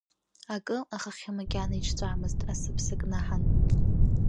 Акы, ахахьы макьана иҿҵәамыз асыԥса кнаҳан.